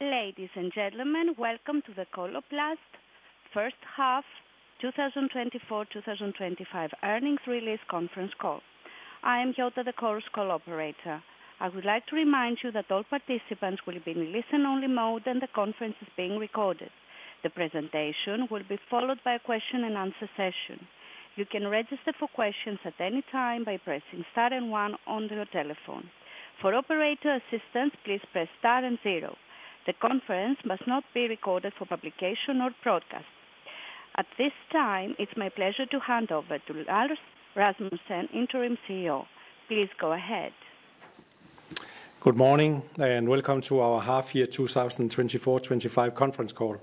Ladies and gentlemen, Welcome to the Coloplast first half 2024-2025 earnings release conference call. I am Hilda, the the Chorus Call operator. I would like to remind you that all participants will be in listen-only mode and the conference is being recorded. The presentation will be followed by a question-and-answer session. You can register for questions at any time by pressing star and one on your telephone. For operator assistance, please press star and zero. The conference must not be recorded for publication or broadcast. At this time, it's my pleasure to hand over to Lars Rasmussen, Interim CEO. Please go ahead. Good morning and Welcome to our half year 2024-2025 conference call.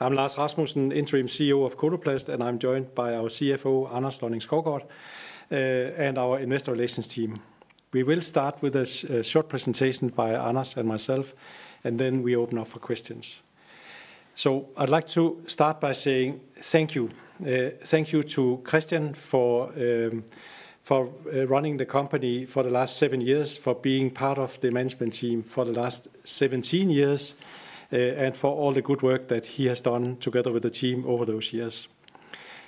I'm Lars Rasmussen, Interim CEO of Coloplast, and I'm joined by our CFO, Anders Lonning-Skovgaard, and our Investor Relations team. We will start with a short presentation by Anders and myself, and then we open up for questions. I would like to start by saying thank you. Thank you to Kristian for running the company for the last seven years, for being part of the management team for the last 17 years, and for all the good work that he has done together with the team over those years.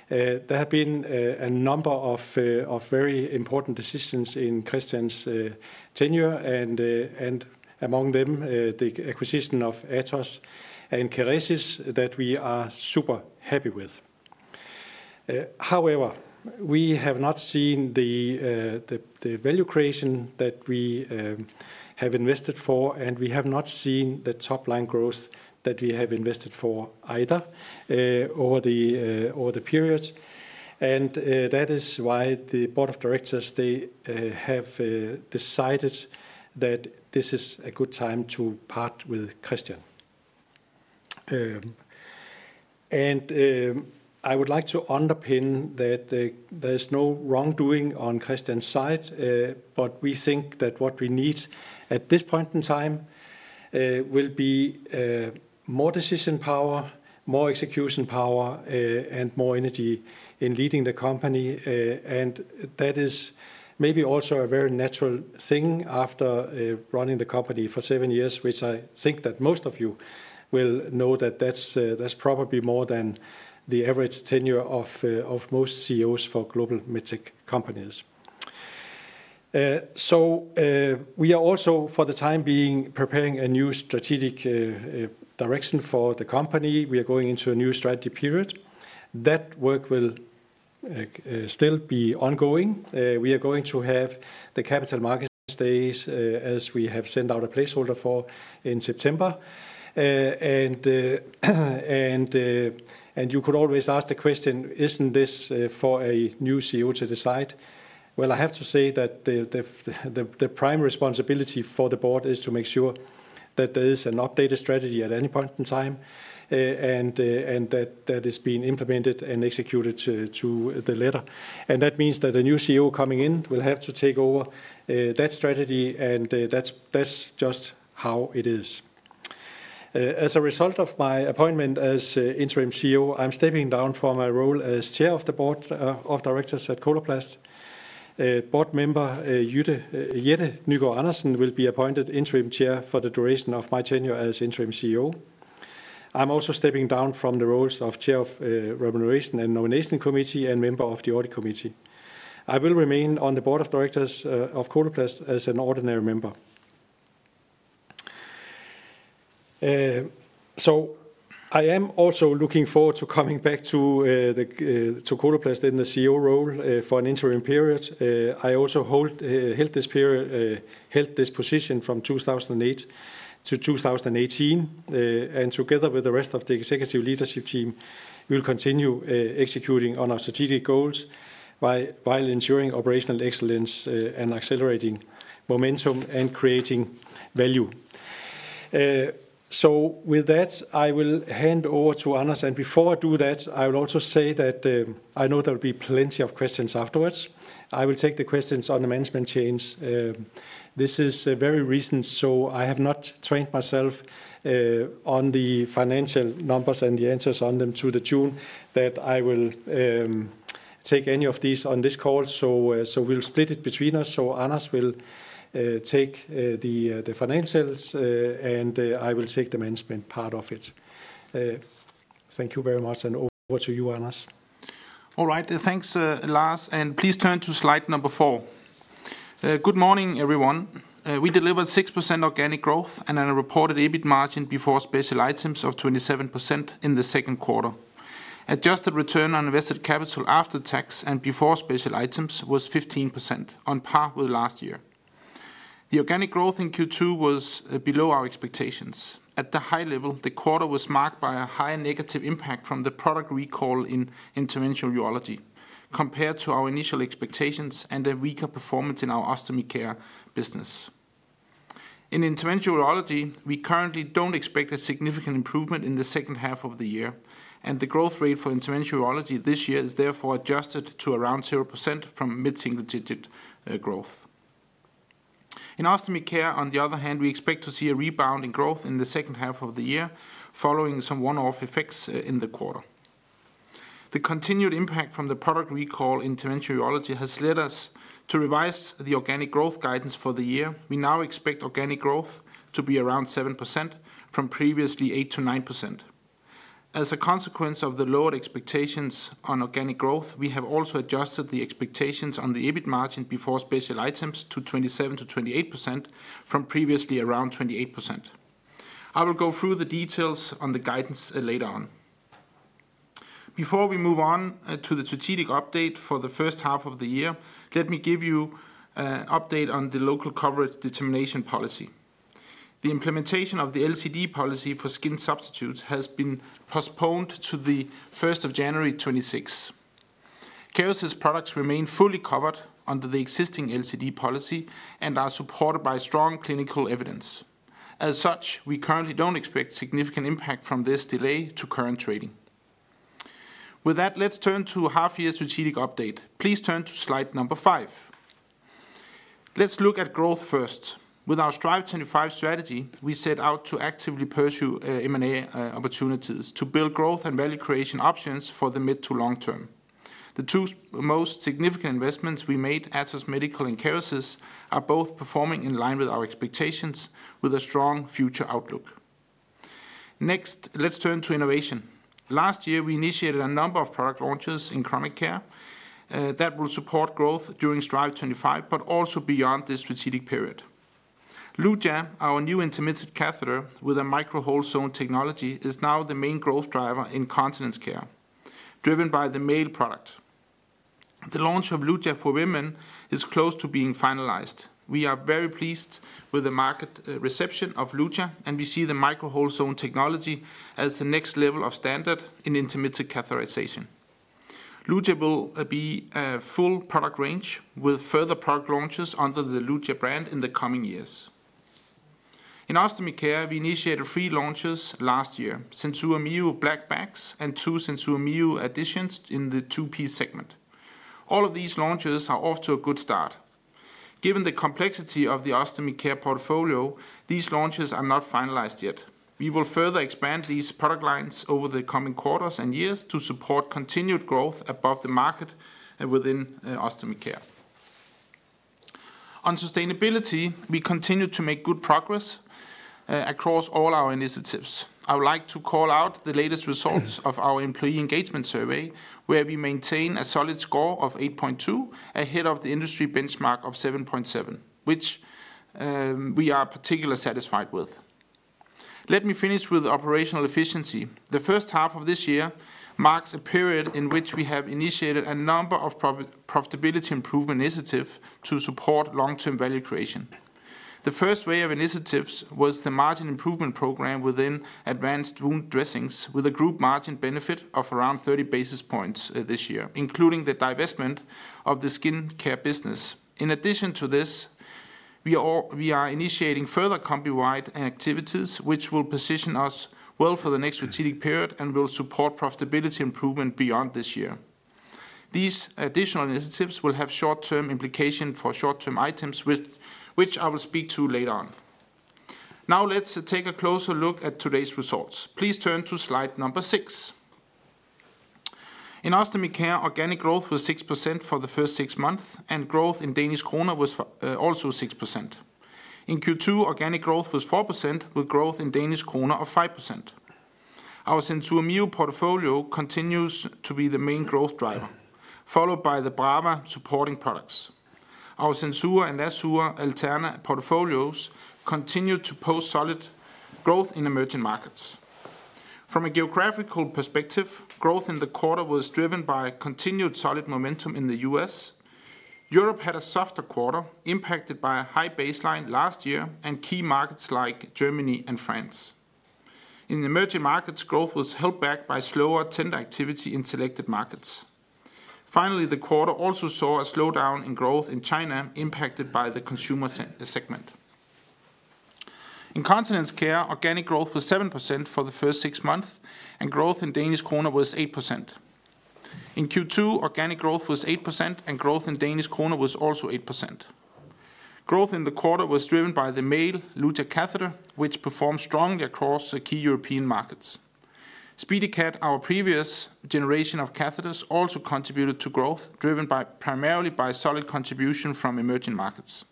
There have been a number of very important decisions in Kristian's tenure, and among them, the acquisition of Atos and Kerecis, that we are super happy with. However, we have not seen the value creation that we have invested for, and we have not seen the top-line growth that we have invested for either over the period. That is why the board of directors, they have decided that this is a good time to part with Kristian. I would like to underpin that there is no wrongdoing on Kristian's side, but we think that what we need at this point in time will be more decision power, more execution power, and more energy in leading the company. That is maybe also a very natural thing after running the company for seven years, which I think that most of you will know that that's probably more than the average tenure of most CEOs for global med-tech companies. We are also, for the time being, preparing a new strategic direction for the company. We are going into a new strategy period. That work will still be ongoing. We are going to have the Capital Market Day as we have sent out a placeholder for in September. You could always ask the question, isn't this for a new CEO to decide? I have to say that the prime responsibility for the board is to make sure that there is an updated strategy at any point in time and that it's being implemented and executed to the letter. That means that a new CEO coming in will have to take over that strategy, and that's just how it is. As a result of my appointment as Interim CEO, I'm stepping down from my role as Chair of the Board of Directors at Coloplast. Board member Jette Nygaard- Andersen will be appointed Interim Chair for the duration of my tenure as Interim CEO. I'm also stepping down from the roles of Chair of Remuneration and Nomination Committee and member of the Audit Committee. I will remain on the Board of Directors of Coloplast as an ordinary member. I am also looking forward to coming back to Coloplast in the CEO role for an interim period. I also held this position from 2008 to 2018, and together with the rest of the executive leadership team, we will continue executing on our strategic goals while ensuring operational excellence and accelerating momentum and creating value. With that, I will hand over to Anders, and before I do that, I will also say that I know there will be plenty of questions afterwards. I will take the questions on the management change. This is very recent, so I have not trained myself on the financial numbers and the answers on them to the tune that I will take any of these on this call. We will split it between us. Anders will take the financials, and I will take the management part of it. Thank you very much, and over to you, Anders. All right, thanks, Lars, and please turn to slide number four. Good morning, everyone. We delivered 6% organic growth and a reported EBIT margin before special items of 27% in the second quarter. Adjusted return on invested capital after tax and before special items was 15%, on par with last year. The organic growth in Q2 was below our expectations. At the high level, the quarter was marked by a high negative im pact from the product recall Interventional Urology compared to our initial expectations and a weaker performance in our Ostomy Care business. Interventional Urology, we currently do not expect a significant improvement in the second half of the year, and the growth rate Interventional Urology this year is therefore adjusted to around 0% from mid-single digit growth. In Ostomy Care, on the other hand, we expect to see a rebound in growth in the second half of the year following some one-off effects in the quarter. The continued impact from the product recall in Interventional Urology has led us to revise the organic growth guidance for the year. We now expect organic growth to be around 7% from previously 8%-9%. As a consequence of the lowered expectations on organic growth, we have also adjusted the expectations on the EBIT margin before special items to 27%-28% from previously around 28%. I will go through the details on the guidance later on. Before we move on to the strategic update for the first half of the year, let me give you an update on the Local Coverage Determination policy. The implementation of the LCD policy for skin substitutes has been postponed to the 1st of January 2026. Kerecis products remain fully covered under the existing LCD policy and are supported by strong clinical evidence. As such, we currently don't expect significant impact from this delay to current trading. With that, let's turn to half year strategic update. Please turn to slide number five. Let's look at growth first. With our Strive25 strategy, we set out to actively pursue M&A opportunities to build growth and value creation options for the mid to long term. The two most significant investments we made, Atos Medical and Kerecis, are both performing in line with our expectations with a strong future outlook. Next, let's turn to innovation. Last year, we initiated a number of product launches in Chronic Care that will support growth during Strive25, but also beyond this strategic period. Luja, our new intermittent catheter with a Micro-hole Zone Technology, is now the main growth driver in Continence Care, driven by the male product. The launch of Luja for women is close to being finalized. We are very pleased with the market reception of Luja, and we see the micro-hole zone technology as the next level of standard in intermittent catheterization. Luja will be a full product range with further product launches under the Luja brand in the coming years. In Ostomy Care, we initiated three launches year: SenSura Mio black bags, and two SenSura Mio additions in the two-piece segment. All of these launches are off to a good start. Given the complexity of the Ostomy Care portfolio, these launches are not finalized yet. We will further expand these product lines over the coming quarters and years to support continued growth above the market and within Ostomy Care. On sustainability, we continue to make good progress across all our initiatives. I would like to call out the latest results of our employee engagement survey, where we maintain a solid score of 8.2 ahead of the industry benchmark of 7.7, which we are particularly satisfied with. Let me finish with operational efficiency. The first half of this year marks a period in which we have initiated a number of profitability improvement initiatives to support long-term value creation. The first wave of initiatives was the margin improvement program within Advanced Wound Dressings, with a group margin benefit of around 30 basis points this year, including the divestment of the Skin Care business. In addition to this, we are initiating further company-wide activities, which will position us well for the next strategic period and will support profitability improvement beyond this year. These additional initiatives will have short-term implications for short-term items, which I will speak to later on. Now, let's take a closer look at today's results. Please turn to slide number six. In Ostomy Care, organic growth was 6% for the first six months, and growth in Danish kroner was also 6%. In Q2, organic growth was 4%, with growth in Danish kroner of 5%. our SenSura Mio portfolio continues to be the main growth driver, followed by the Brava supporting products. Our SenSura and Assura/Alterna portfolios continue to post solid growth in emerging markets. From a geographical perspective, growth in the quarter was driven by continued solid momentum in the U.S.. Europe had a softer quarter, impacted by a high baseline last year and key markets like Germany and France. In emerging markets, growth was held back by slower tender activity in selected markets. Finally, the quarter also saw a slowdown in growth in China, impacted by the consumer segment. In continence care, organic growth was 7% for the first six months, and growth in Danish kroner was 8%. In Q2, organic growth was 8%, and growth in Danish kroner was also 8%. Growth in the quarter was driven by the male Luja catheter, which performed strongly across key European markets. SpeediCath, our previous generation of catheters, also contributed to growth, driven primarily by solid contribution from emerging markets.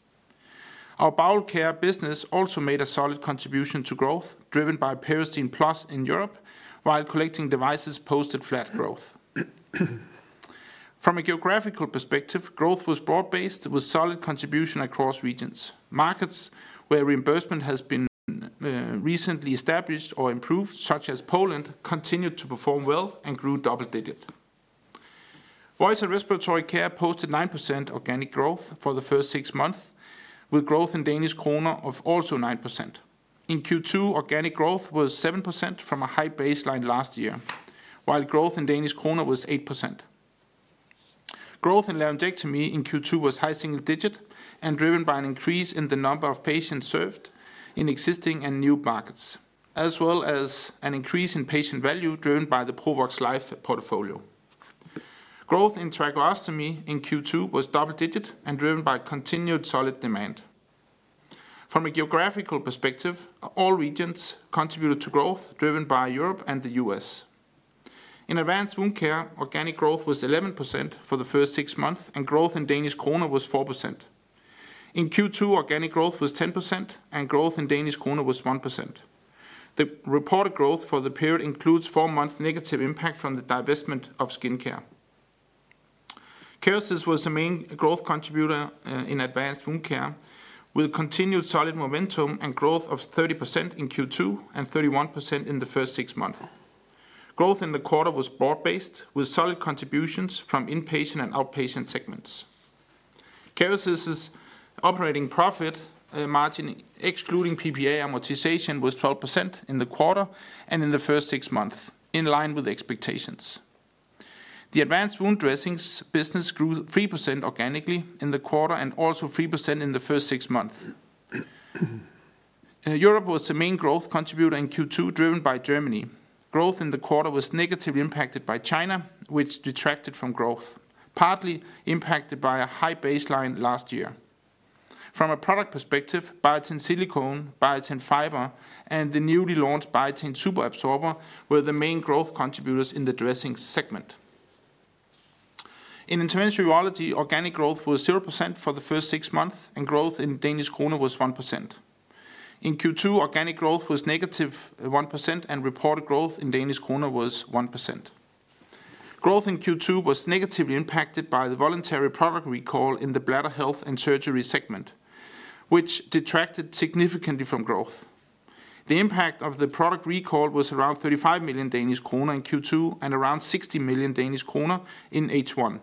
Our bowel care business also made a solid contribution to growth, driven by Peristeen Plus in Europe, while collecting devices posted flat growth. From a geographical perspective, growth was broad-based with solid contribution across regions. Markets where reimbursement has been recently established or improved, such as Poland, continued to perform well and grew double-digit. Voice and respiratory care posted 9% organic growth for the first six months, with growth in Danish kroner of also 9%. In Q2, organic growth was 7% from a high baseline last year, while growth in Danish kroner was 8%. Growth in laryngectomy in Q2 was high single digit and driven by an increase in the number of patients served in existing and new markets, as well as an increase in patient value driven by the Provox Life portfolio. Growth in Tracheostomy in Q2 was double-digit and driven by continued solid demand. From a geographical perspective, all regions contributed to growth, driven by Europe and the U.S.. In advanced wound care, organic growth was 11% for the first six months, and growth in Danish kroner was 4%. In Q2, organic growth was 10%, and growth in Danish kroner was 1%. The reported growth for the period includes a four-month negative impact from the divestment of Skin Care. Kerecis was the main growth contributor in advanced wound care, with continued solid momentum and growth of 30% in Q2 and 31% in the first six months. Growth in the quarter was broad-based, with solid contributions from inpatient and outpatient segments. Kerecis's operating profit margin, excluding PPA amortization, was 12% in the quarter and in the first six months, in line with expectations. The Advanced Wound Dressings business grew 3% organically in the quarter and also 3% in the first six months. Europe was the main growth contributor in Q2, driven by Germany. Growth in the quarter was negatively impacted by China, which detracted from growth, partly impacted by a high baseline last year. From a product perspective, Biatain Silicone, Biatain Fiber, and the newly launched Biatain Superabsorber were the main growth contributors in the Dressing segment. Interventional Urology, organic growth was 0% for the first six months, and growth in Danish kroner was 1%. In Q2, organic growth was negative 1%, and reported growth in Danish kroner was 1%. Growth in Q2 was negatively impacted by the voluntary product recall in the bladder health and surgery segment, which detracted significantly from growth. The impact of the product recall was around 35 million Danish kroner in Q2 and around 60 million Danish kroner in H1,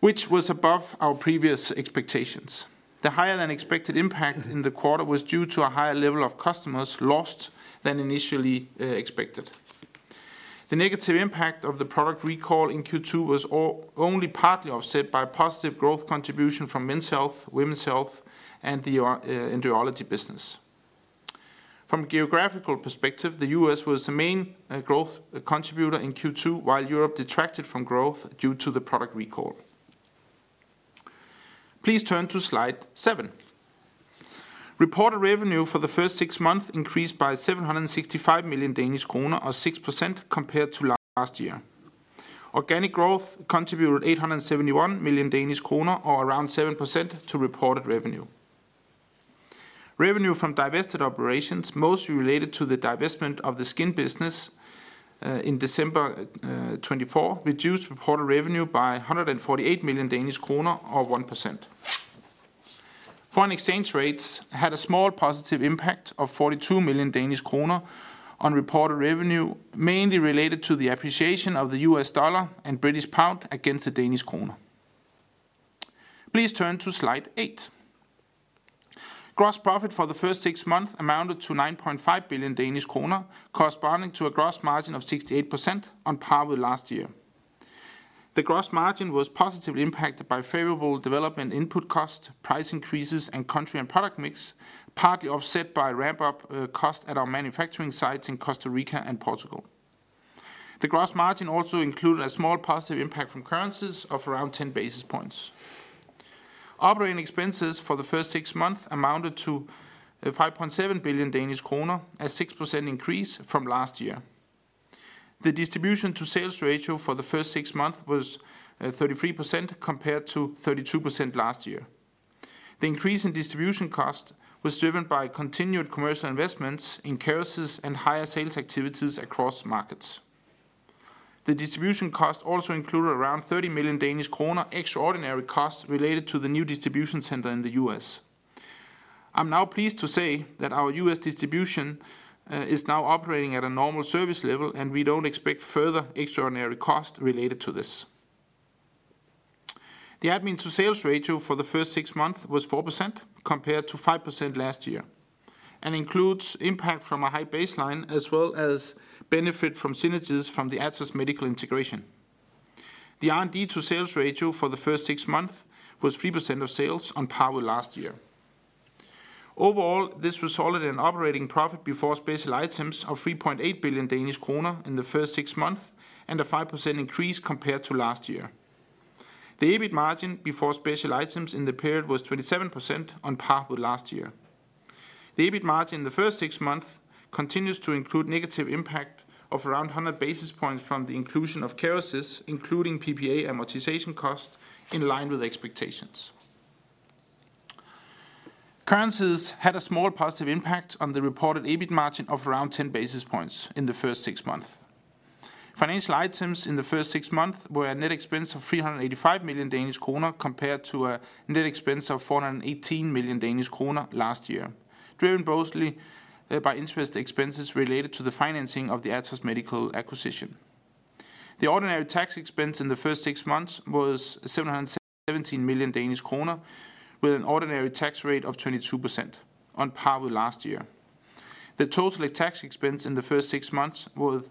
which was above our previous expectations. The higher-than-expected impact in the quarter was due to a higher level of customers lost than initially expected. The negative impact of the product recall in Q2 was only partly offset by positive growth contribution from men's health, women's health, and the Urology business. From a geographical perspective, the U.S. was the main growth contributor in Q2, while Europe detracted from growth due to the product recall. Please turn to slide seven. Reported revenue for the first six months increased by 765 million Danish kroner, or 6%, compared to last year. Organic growth contributed 871 million Danish kroner, or around 7%, to reported revenue. Revenue from divested operations, mostly related to the divestment of the Skin business in December 2024, reduced reported revenue by 148 million Danish kroner, or 1%. Foreign exchange rates had a small positive impact of 42 million Danish kroner on reported revenue, mainly related to the appreciation of the U.S. dollar and British pound against the Danish kroner. Please turn to slide eight. Gross profit for the first six months amounted to 9.5 billion Danish kroner, corresponding to a gross margin of 68%, on par with last year. The gross margin was positively impacted by favorable development in input costs, price increases, and country and product mix, partly offset by ramp-up costs at our manufacturing sites in Costa Rica and Portugal. The gross margin also included a small positive impact from currencies of around 10 basis points. Operating expenses for the first six months amounted to 5.7 billion Danish kroner, a 6% increase from last year. The distribution to sales ratio for the first six months was 33%, compared to 32% last year. The increase in distribution costs was driven by continued commercial investments in Kerecis and higher sales activities across markets. The distribution costs also included around 30 million Danish kroner extraordinary costs related to the new distribution center in the U.S. I'm now pleased to say that our U.S. distribution is now operating at a normal service level, and we don't expect further extraordinary costs related to this. The admin to sales ratio for the first six months was 4%, compared to 5% last year, and includes impact from a high baseline as well as benefit from synergies from the Atos Medical integration. The R&D to sales ratio for the first six months was 3% of sales, on par with last year. Overall, this resulted in operating profit before special items of 3.8 billion Danish kroner in the first six months and a 5% increase compared to last year. The EBIT margin before special items in the period was 27%, on par with last year. The EBIT margin in the first six months continues to include negative impact of around 100 basis points from the inclusion of Kerecis, including PPA amortization costs, in line with expectations. Currencies had a small positive impact on the reported EBIT margin of around 10 basis points in the first six months. Financial items in the first six months were a net expense of 385 million Danish kroner, compared to a net expense of 418 million Danish kroner last year, driven mostly by interest expenses related to the financing of the Atos Medical acquisition. The ordinary tax expense in the first six months was 717 million Danish kroner, with an ordinary tax rate of 22%, on par with last year. The total tax expense in the first six months was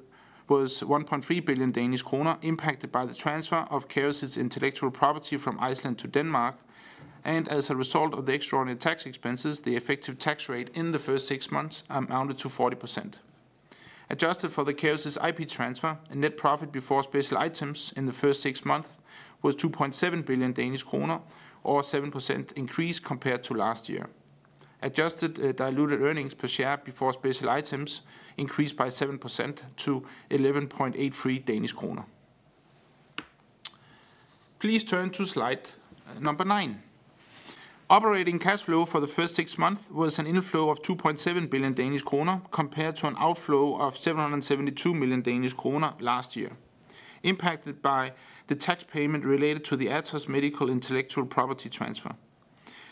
1.3 billion Danish kroner, impacted by the transfer of Kerecis Intellectual Property from Iceland to Denmark, and as a result of the extraordinary tax expenses, the effective tax rate in the first six months amounted to 40%. Adjusted for the Kerecis IP transfer, net profit before special items in the first six months was 2.7 billion Danish kroner, or a 7% increase compared to last year. Adjusted diluted earnings per share before special items increased by 7% to 11.83 Danish kroner. Please turn to slide number nine. Operating cash flow for the first six months was an inflow of 2.7 billion Danish kroner, compared to an outflow of 772 million Danish kroner last year, impacted by the tax payment related to the Atos Medical Intellectual Property transfer.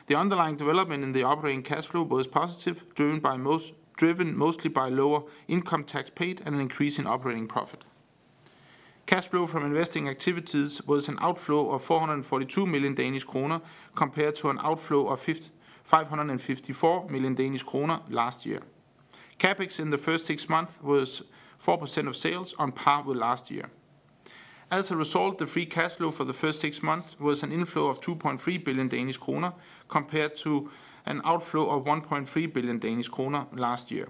The underlying development in the operating cash flow was positive, driven mostly by lower income tax paid and an increase in operating profit. Cash flow from investing activities was an outflow of 442 million Danish kroner, compared to an outflow of 554 million Danish kroner last year. CapEx in the first six months was 4% of sales, on par with last year. As a result, the Free Cash Flow for the first six months was an inflow of 2.3 billion Danish kroner, compared to an outflow of 1.3 billion Danish kroner last year.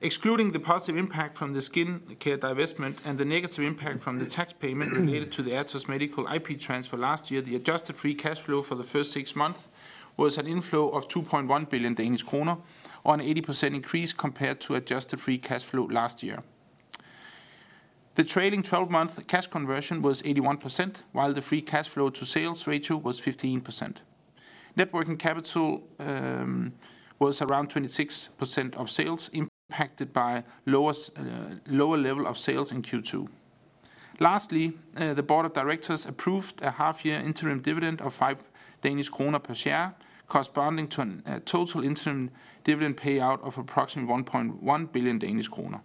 Excluding the positive impact from the Skin Care divestment and the negative impact from the tax payment related to the Atos Medical IP transfer last year, the adjusted Free Cash Flow for the first six months was an inflow of 2.1 billion Danish kroner, or an 80% increase compared to adjusted Free Cash Flow last year. The trailing 12-month cash conversion was 81%, while the Free Cash Flow to sales ratio was 15%. Net working capital was around 26% of sales, impacted by lower level of sales in Q2. Lastly, the board of directors approved a half-year interim dividend of 5 Danish kroner per share, corresponding to a total interim dividend payout of approximately 1.1 billion Danish kroner.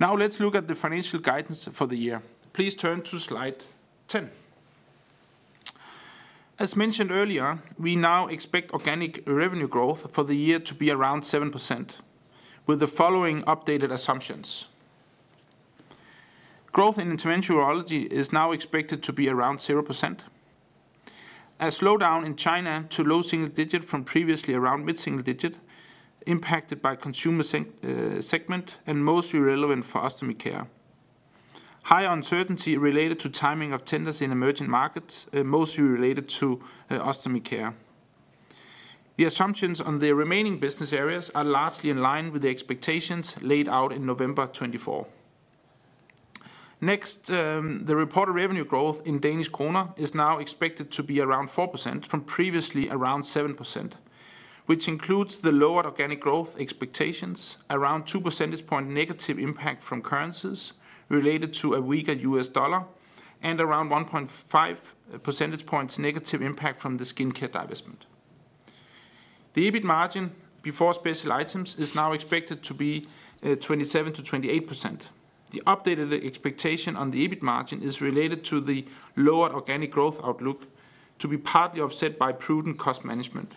Now let's look at the financial guidance for the year. Please turn to slide 10. As mentioned earlier, we now expect organic revenue growth for the year to be around 7%, with the following updated assumptions. Growth Interventional Urology is now expected to be around 0%, a slowdown in China to low single digit from previously around mid-single digit, impacted by consumer segment and mostly relevant for Ostomy Care. High uncertainty related to timing of tenders in Emerging markets, mostly related to Ostomy Care. The assumptions on the remaining business areas are largely in line with the expectations laid out in November 2024. Next, the reported revenue growth in Danish kroner is now expected to be around 4% from previously around 7%, which includes the lower organic growth expectations, around 2 percentage points negative impact from currencies related to a weaker U.S. dollar, and around 1.5 percentage points negative impact from the Skin Care divestment. The EBIT margin before special items is now expected to be 27%-28%. The updated expectation on the EBIT margin is related to the lower organic growth outlook to be partly offset by prudent cost management.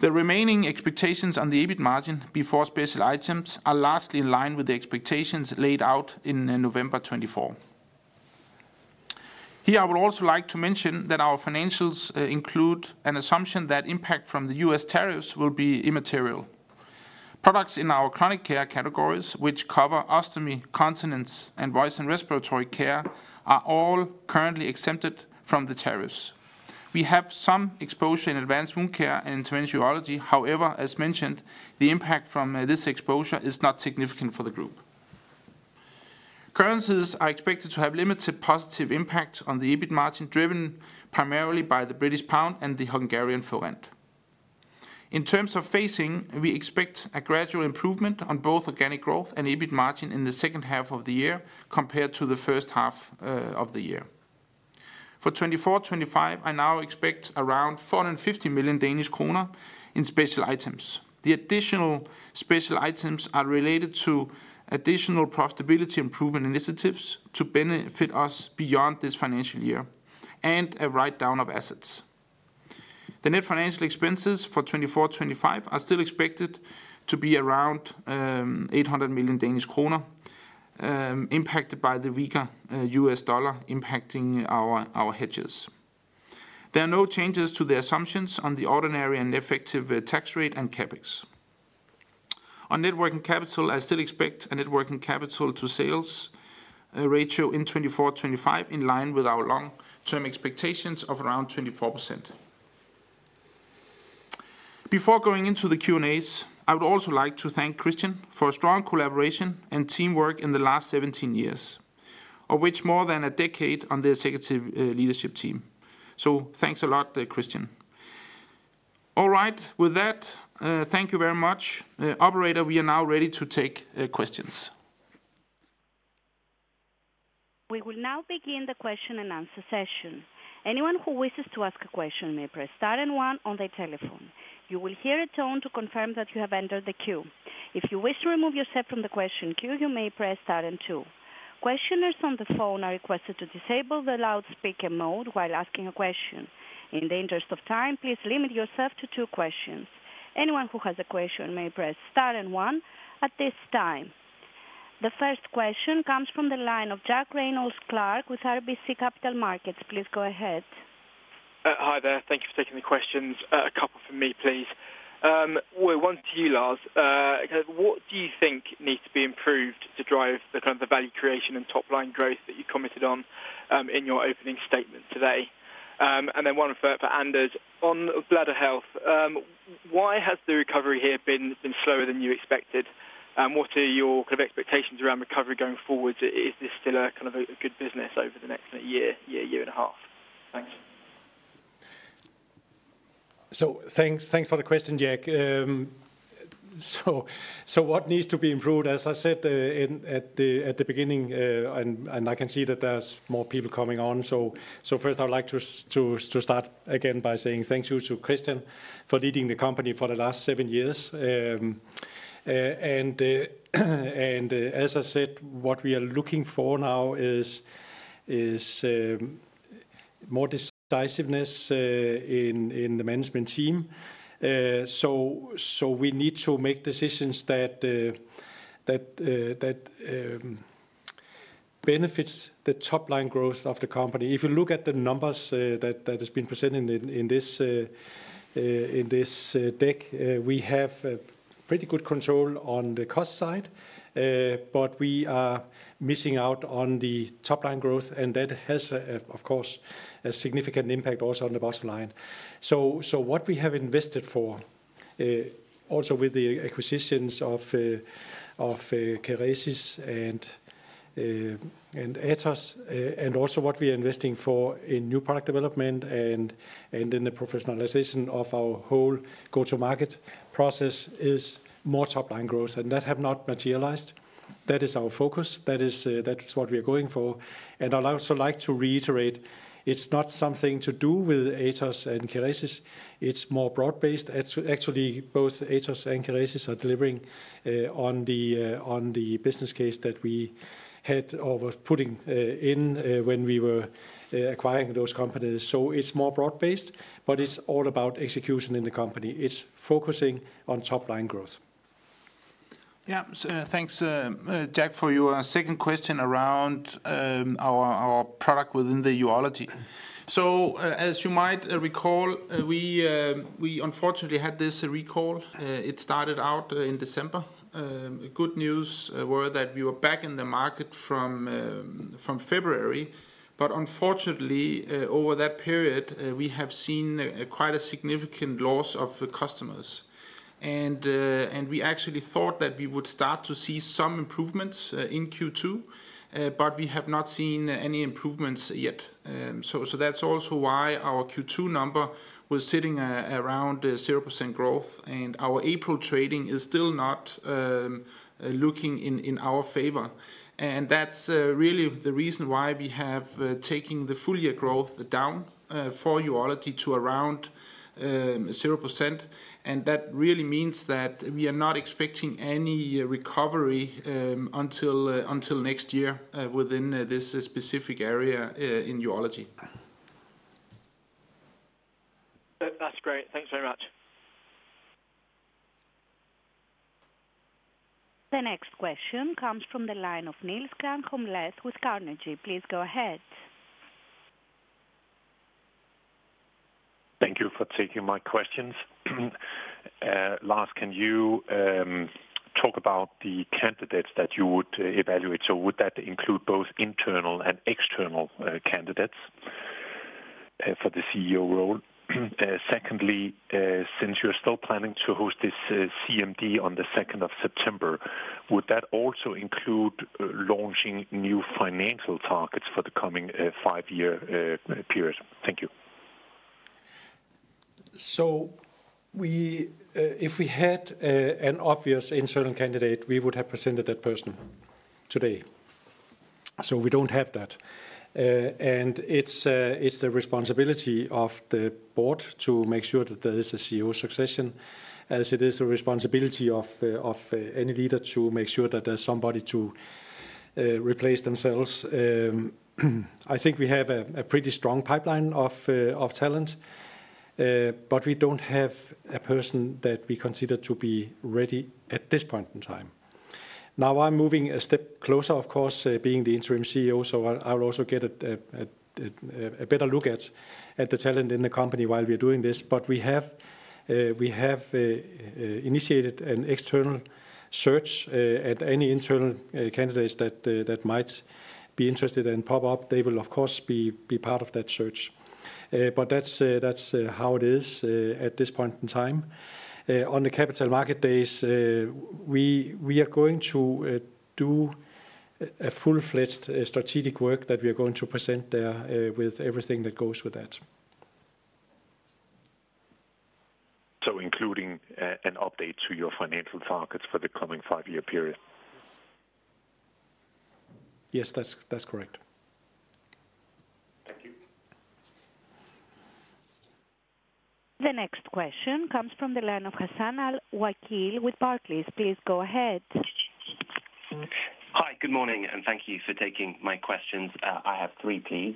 The remaining expectations on the EBIT margin before special items are largely in line with the expectations laid out in November 2024. Here, I would also like to mention that our financials include an assumption that impact from the U.S. tariffs will be immaterial. Products in our Chronic Care categories, which cover Ostomy, Continence, and Voice and Respiratory Care, are all currently exempted from the tariffs. We have some exposure in advanced wound care and Interventional Urology; however, as mentioned, the impact from this exposure is not significant for the group. Currencies are expected to have limited positive impact on the EBIT margin, driven primarily by the British pound and the Hungarian forint. In terms of phasing, we expect a gradual improvement on both organic growth and EBIT margin in the second half of the year compared to the first half of the year. For 2024-2025, I now expect around 450 million Danish kroner in special items. The additional special items are related to additional profitability improvement initiatives to benefit us beyond this financial year and a write-down of assets. The net financial expenses for 2024-2025 are still expected to be around 800 million Danish kroner, impacted by the weaker U.S. dollar impacting our hedges. There are no changes to the assumptions on the ordinary and effective tax rate and CapEx. On working capital, I still expect a working capital to sales ratio in 2024-2025, in line with our long-term expectations of around 24%. Before going into the Q&As, I would also like to thank Kristian for strong collaboration and teamwork in the last 17 years, of which more than a decade on the executive leadership team. Thank you very much, Kristian. All right, with that, thank you very much. Operator, we are now ready to take questions. We will now begin the question and answer session. Anyone who wishes to ask a question may press star and one on their telephone. You will hear a tone to confirm that you have entered the queue. If you wish to remove yourself from the question queue, you may press star and two. Questioners on the phone are requested to disable the loudspeaker mode while asking a question. In the interest of time, please limit yourself to two questions. Anyone who has a question may press star and one at this time. The first question comes from the line of Jack Reynolds-Clark with RBC Capital Markets. Please go ahead. Hi there. Thank you for taking the questions. A couple from me, please. One to you, Lars. What do you think needs to be improved to drive the kind of value creation and top-line growth that you committed on in your opening statement today? One for Anders on bladder health. Why has the recovery here been slower than you expected? What are your kind of expectations around recovery going forward? Is this still a kind of a good business over the next year, year, year and a half? Thanks. Thanks for the question, Jack. What needs to be improved, as I said at the beginning, and I can see that there's more people coming on. First, I'd like to start again by saying thanks to Kristian for leading the company for the last seven years. As I said, what we are looking for now is more decisiveness in the management team. We need to make decisions that benefit the top-line growth of the company. If you look at the numbers that have been presented in this deck, we have pretty good control on the cost side, but we are missing out on the top-line growth, and that has, of course, a significant impact also on the bottom line. What we have invested for, also with the acquisitions of Kerecis and Atos, and also what we are investing for in new product development and in the professionalization of our whole go-to-market process is more top-line growth, and that has not materialized. That is our focus. That is what we are going for. I'd also like to reiterate, it's not something to do with Atos and Kerecis. It's more broad-based. Actually, both Atos and Kerecis are delivering on the business case that we had over putting in when we were acquiring those companies. It is more broad-based, but it is all about execution in the company. It is focusing on top-line growth. Yeah, thanks, Jack, for your second question around our product within the Urology. As you might recall, we unfortunately had this recall. It started out in December. Good news was that we were back in the market from February, but unfortunately, over that period, we have seen quite a significant loss of customers. We actually thought that we would start to see some improvements in Q2, but we have not seen any improvements yet. That is also why our Q2 number was sitting around 0% growth, and our April trading is still not looking in our favor. That is really the reason why we have taken the full-year growth down for Urology to around 0%. That really means that we are not expecting any recovery until next year within this specific area in Urology. That's great. Thanks very much. The next question comes from the line of Niels Granholm-Leth with Carnegie. Please go ahead. Thank you for taking my questions. Lars, can you talk about the candidates that you would evaluate? Would that include both internal and external candidates for the CEO role? Secondly, since you are still planning to host this CMD on the 2nd of September, would that also include launching new financial targets for the coming five-year period? Thank you. If we had an obvious internal candidate, we would have presented that person today. We do not have that. It is the responsibility of the board to make sure that there is a CEO succession, as it is the responsibility of any leader to make sure that there is somebody to replace themselves. I think we have a pretty strong pipeline of talent, but we do not have a person that we consider to be ready at this point in time. Now, I am moving a step closer, of course, being the Interim CEO, so I will also get a better look at the talent in the company while we are doing this. We have initiated an external search, and any internal candidates that might be interested and pop up, they will, of course, be part of that search. That is how it is at this point in time. On the Capital Market Days, we are going to do a full-fledged strategic work that we are going to present there with everything that goes with that. Including an update to your financial targets for the coming five-year period? Yes, that's correct. The next question comes from the line of Hassan Al-Wakeel with Barclays. Please go ahead. Hi, good morning, and thank you for taking my questions. I have three, please.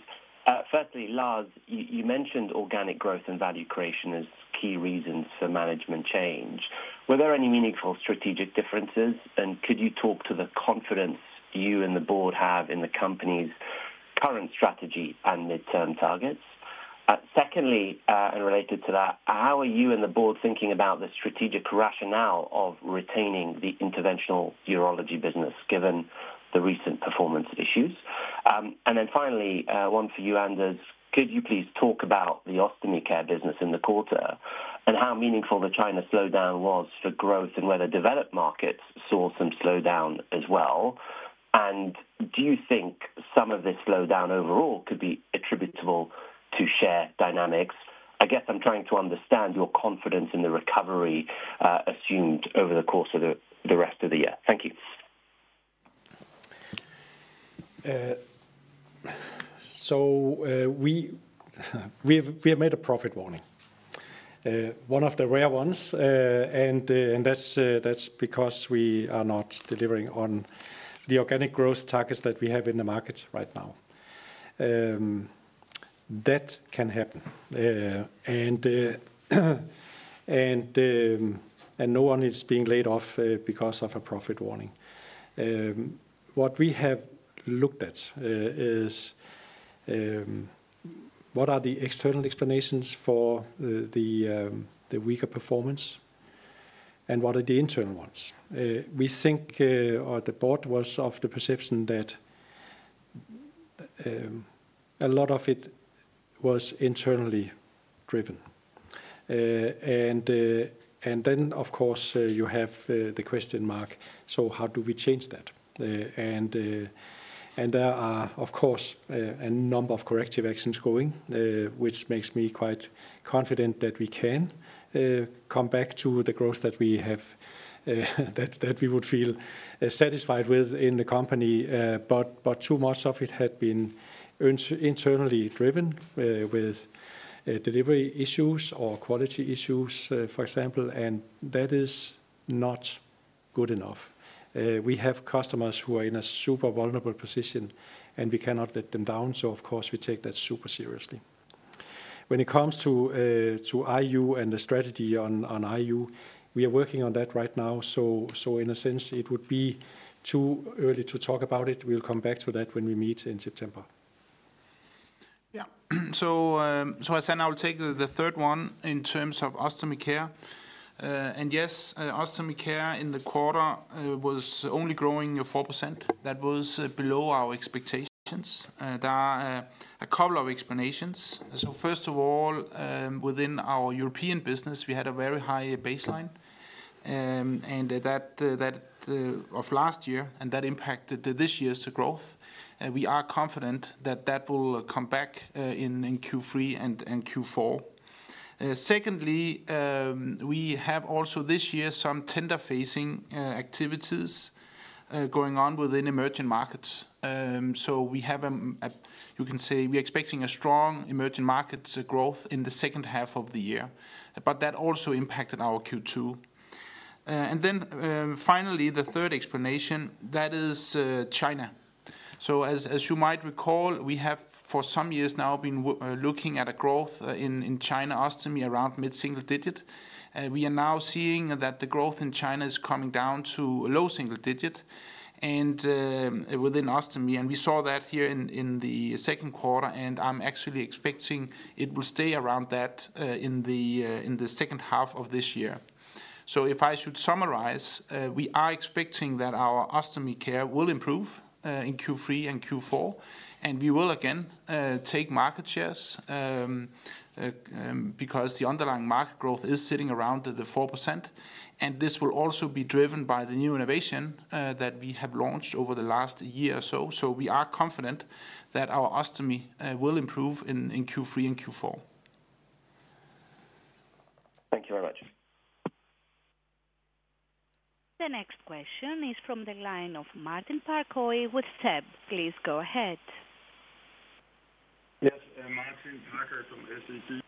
Firstly, Lars, you mentioned organic growth and value creation as key reasons for management change. Were there any meaningful strategic differences, and could you talk to the confidence you and the board have in the company's current strategy and midterm targets? Secondly, and related to that, how are you and the board thinking about the strategic rationale of retaining the Interventional Urology business given the recent performance issues? And then finally, one for you, Anders. Could you please talk about the Ostomy Care business in the quarter and how meaningful the China slowdown was for growth and whether developed markets saw some slowdown as well? Do you think some of this slowdown overall could be attributable to share dynamics? I guess I'm trying to understand your confidence in the recovery assumed over the course of the rest of the year. Thank you. We have made a profit warning, one of the rare ones, and that's because we are not delivering on the organic growth targets that we have in the market right now. That can happen, and no one is being laid off because of a profit warning. What we have looked at is what are the external explanations for the weaker performance and what are the internal ones. We think the board was of the perception that a lot of it was internally driven. Of course, you have the question mark, so how do we change that? There are, of course, a number of corrective actions going, which makes me quite confident that we can come back to the growth that we would feel satisfied with in the company. Too much of it had been internally driven with delivery issues or quality issues, for example, and that is not good enough. We have customers who are in a super vulnerable position, and we cannot let them down, so of course, we take that super seriously. When it comes to IU and the strategy on IU, we are working on that right now. In a sense, it would be too early to talk about it. We'll come back to that when we meet in September. Yeah. I'll take the third one in terms of Ostomy Care. Yes, Ostomy Care in the quarter was only growing 4%. That was below our expectations. There are a couple of explanations. First of all, within our European business, we had a very high baseline of last year, and that impacted this year's growth. We are confident that that will come back in Q3 and Q4. Secondly, we have also this year some tender-facing activities going on within emerging markets. We are expecting a strong emerging markets growth in the second half of the year, but that also impacted our Q2. Finally, the third explanation is China. As you might recall, we have for some years now been looking at a growth in China Ostomy around mid-single digit. We are now seeing that the growth in China is coming down to a low single digit within Ostomy, and we saw that here in the second quarter, and I'm actually expecting it will stay around that in the second half of this year. If I should summarize, we are expecting that our Ostomy Care will improve in Q3 and Q4, and we will again take market shares because the underlying market growth is sitting around the 4%, and this will also be driven by the new innovation that we have launched over the last year or so. We are confident that our Ostomy will improve in Q3 and Q4. Thank you very much. The next question is from the line of Martin Parkhøi with SEB. Please go ahead. Yes, Martin Parkhøi from SEB.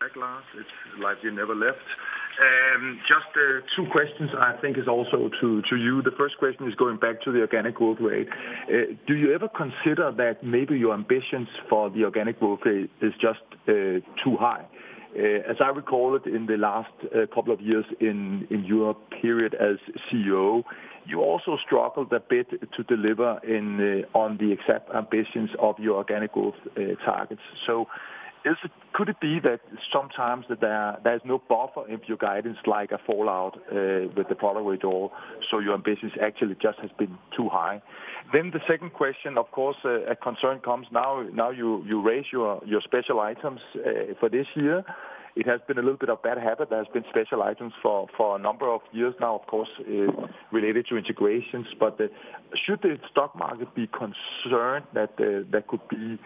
Thanks, Lars. It's like you never left. Just two questions, I think, is also to you. The first question is going back to the organic growth rate. Do you ever consider that maybe your ambitions for the organic growth rate is just too high? As I recall it in the last couple of years in your period as CEO, you also struggled a bit to deliver on the exact ambitions of your organic growth targets. Could it be that sometimes there is no buffer in your guidance, like a fallout with the product withdrawal, so your ambitions actually just have been too high? The second question, of course, a concern comes now. Now you raise your special items for this year. It has been a little bit of bad habit. There have been special items for a number of years now, of course, related to integrations. Should the stock market be concerned that there could be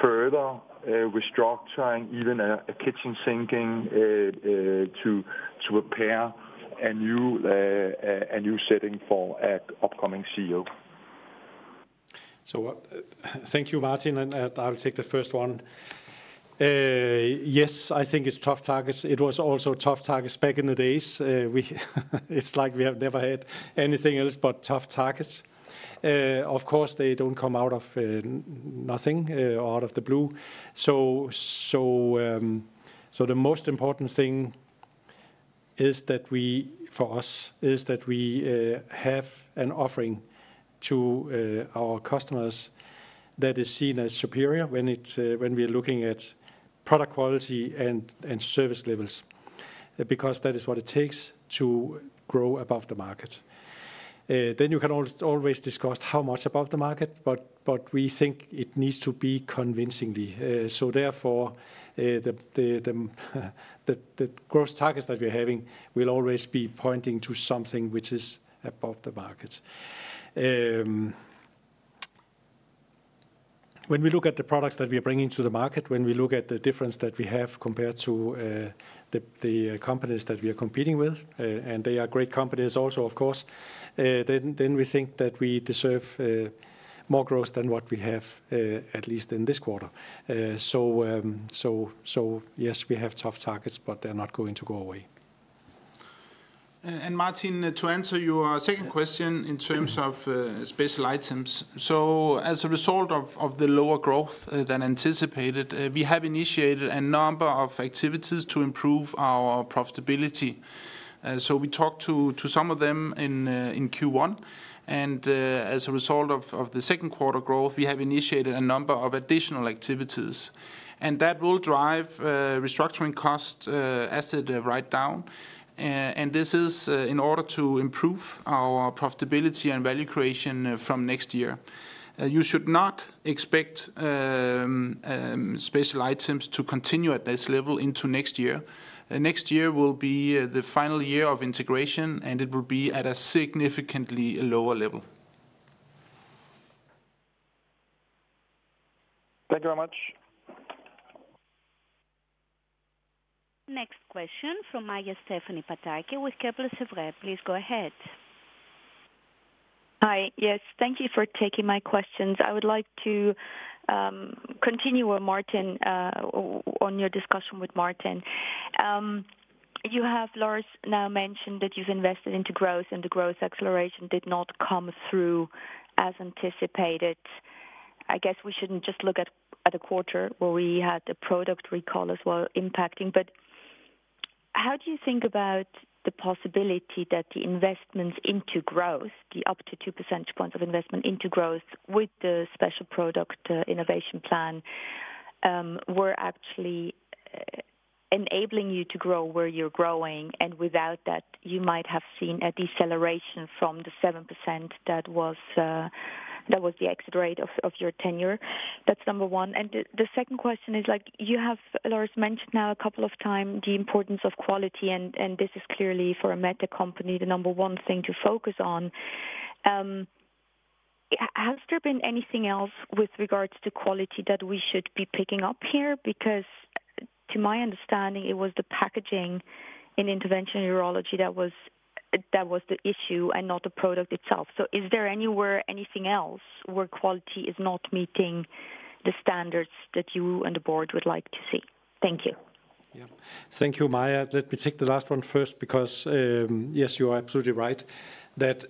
further restructuring, even a kitchen sinking, to prepare a new setting for an upcoming CEO? Thank you, Martin, and I'll take the first one. Yes, I think it's tough targets. It was also tough targets back in the days. It's like we have never had anything else but tough targets. Of course, they don't come out of nothing or out of the blue. The most important thing for us is that we have an offering to our customers that is seen as superior when we are looking at product quality and service levels, because that is what it takes to grow above the market. You can always discuss how much above the market, but we think it needs to be convincingly. Therefore, the growth targets that we are having will always be pointing to something which is above the market. When we look at the products that we are bringing to the market, when we look at the difference that we have compared to the companies that we are competing with, and they are great companies also, of course, then we think that we deserve more growth than what we have, at least in this quarter. Yes, we have tough targets, but they're not going to go away. Martin, to answer your second question in terms of special items, as a result of the lower growth than anticipated, we have initiated a number of activities to improve our profitability. We talked to some of them in Q1, and as a result of the second quarter growth, we have initiated a number of additional activities, and that will drive restructuring costs as it writes down. This is in order to improve our profitability and value creation from next year. You should not expect special items to continue at this level into next year. Next year will be the final year of integration, and it will be at a significantly lower level. Thank you very much. Next question from Maja Stephanie Pataki with Kepler Cheuvreux. Please go ahead. Hi. Yes, thank you for taking my questions. I would like to continue with Martin on your discussion with Martin. You have, Lars, now mentioned that you've invested into growth, and the growth acceleration did not come through as anticipated. I guess we shouldn't just look at a quarter where we had the product recall as well impacting. How do you think about the possibility that the investments into growth, the up to 2 percentage points of investment into growth with the special product innovation plan, were actually enabling you to grow where you're growing? Without that, you might have seen a deceleration from the 7% that was the exit rate of your tenure. That's number one. The second question is, you have, Lars, mentioned now a couple of times the importance of quality, and this is clearly, for a med tech company, the number one thing to focus on. Has there been anything else with regards to quality that we should be picking up here? To my understanding, it was the packaging Interventional Urology that was the issue and not the product itself. Is there anywhere anything else where quality is not meeting the standards that you and the board would like to see? Thank you. Yeah. Thank you, Maja. Let me take the last one first because, yes, you are absolutely right that